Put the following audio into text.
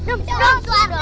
adam adam adam